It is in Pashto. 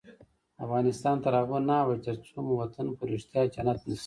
افغانستان تر هغو نه ابادیږي، ترڅو مو وطن په ریښتیا جنت نشي.